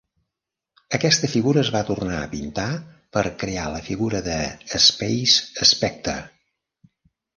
Aquesta figura es va tornar a pintar per crear la figura de Space Specter.